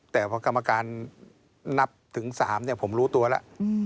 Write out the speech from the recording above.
แต่พอกรรมการนับถึง๓ผมรู้ตัวแล้ว